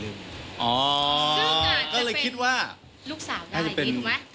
อ๋อจะเป็นรูปสาวได้ถูกไหม